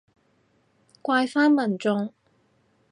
怪返民眾